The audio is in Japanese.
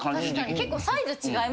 結構サイズ違いますからね。